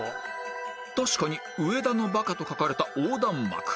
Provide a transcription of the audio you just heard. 確かに「上田のバカ」と書かれた横断幕